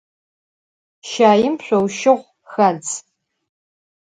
Şaim şsouşığu xadz.